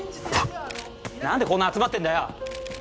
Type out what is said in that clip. なんでこんな集まってんだよ！